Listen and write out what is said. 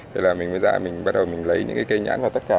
thế là mình mới ra mình bắt đầu mình lấy những cái cây nhãn vào toàn bộ